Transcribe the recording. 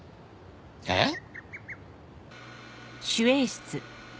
えっ？